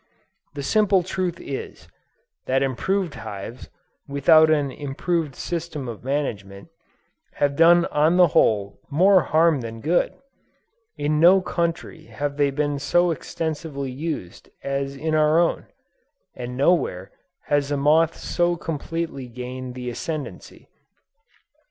The simple truth is, that improved hives, without an improved system of management, have done on the whole more harm than good; in no country have they been so extensively used as in our own, and no where has the moth so completely gained the ascendency.